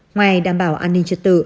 ngoài đảm bảo an ninh trật tự